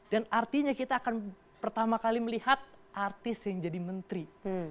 dan artinya kita akan pertama kali melihat artis yang jadi menteri